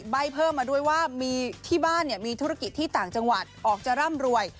ใบ้เพิ่มมาด้วยว่ามีที่บ้านมีธุรกิจที่ต่างจังหวัดออกจะร่ำรวย